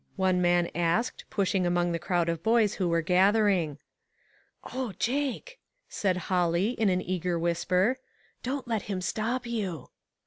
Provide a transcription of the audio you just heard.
one man asked, pushing among the crowd of boys who were gathering. " O Jake," said Holly, in an eager whisper, "don't let him stop you."